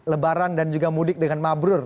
lebaran dan juga mudik dengan mabrur